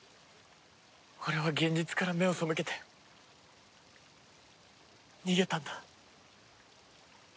俺は現実から目を背けて逃げたんだ。